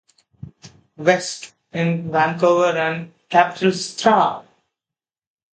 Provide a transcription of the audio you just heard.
West" in Vancouver and "Capital Xtra!